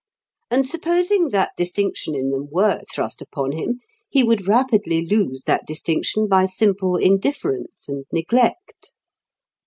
And supposing that distinction in them were thrust upon him he would rapidly lose that distinction by simple indifference and neglect.